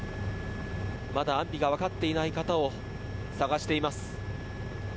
まだ安否がわかっていない方を捜しています。